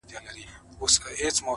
پرمختګ له داخلي بدلون شروع کېږي،